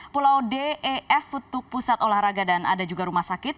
pulau d e f untuk pusat olahraga dan ada juga rumah sakit